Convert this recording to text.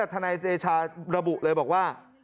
ทนายเดชาระบุเลยบอกว่า